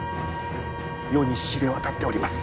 世に知れ渡っております。